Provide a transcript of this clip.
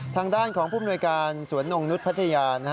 ทางด้านของผู้มนุยการสวนงค์นุฏิพัทยาน